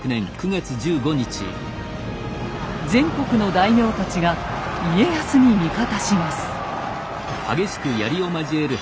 全国の大名たちが家康に味方します。